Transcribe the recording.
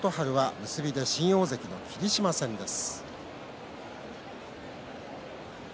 春は結びで新大関の霧島戦です。